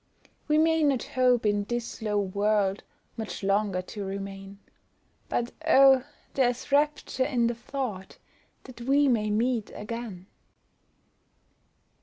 We may not hope in this low world, Much longer to remain, But oh! there's rapture in the thought, That we may meet again.